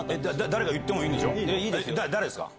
誰か言ってもいいでしょ。